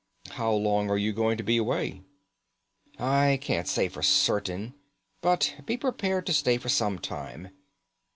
"How long are you going to be away?" "I can't say for certain, but be prepared to stay for some time.